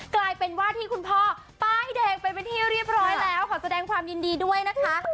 กลายเป็นว่าที่คุณพ่อป้ายแดงไปเป็นที่เรียบร้อยแล้วขอแสดงความยินดีด้วยนะคะ